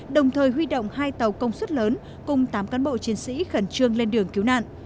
đồng thời huy động hai tàu công suất lớn cùng tám cán bộ chiến sĩ khẩn trương lên đường cứu nạn